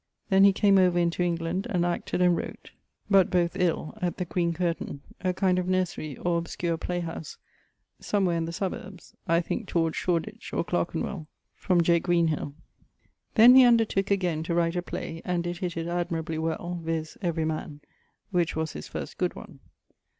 Then he came over into England, and acted and wrote, but both ill, at the Green Curtaine, a kind of nursery or obscure playhouse, somewhere in the suburbes (I thinke towards Shoreditch or Clarkenwell) from J. Greenhill. Then he undertooke againe to write a playe, and did hitt it admirably well, viz. 'Every man ...' which was his first good one.